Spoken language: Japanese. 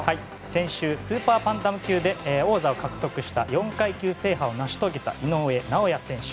先週スーパーバンダム級で王座を獲得した、４階級制覇を成し遂げた井上尚弥選手。